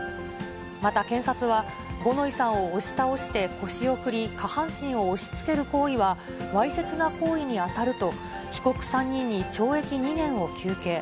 また検察は、五ノ井さんを押し倒して腰を振り、下半身を押しつける行為は、わいせつな行為に当たると、被告３人に懲役２年を求刑。